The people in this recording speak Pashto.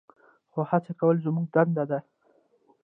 خو هڅه کول زموږ دنده ده.